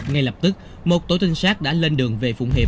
ngay lập tức một tổ trinh sát đã lên đường về phụng hiệp